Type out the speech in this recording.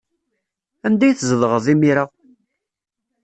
Anda ay tzedɣeḍ imir-a?